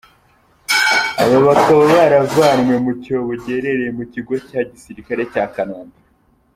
Aba bakaba baravanwe mu cyobo giherereye mu kigo cya Gisirikari cya Kanombe.